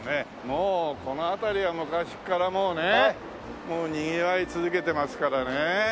もうこの辺りは昔からもうねにぎわい続けてますからねえ。